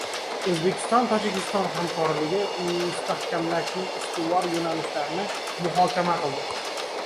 O‘zbekiston-Tojikiston hamkorligini mustahkamlashning ustuvor yo‘nalishlari muhokama qilindi